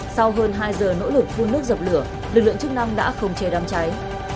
sau hơn hai giờ nỗ lực phun nước dập lửa lực lượng chức năng đã không chê đám cháy